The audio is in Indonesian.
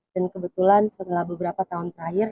dan kebetulan setelah beberapa tahun terakhir